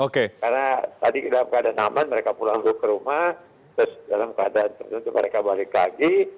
karena tadi dalam keadaan aman mereka pulang ke rumah terus dalam keadaan tentu mereka balik lagi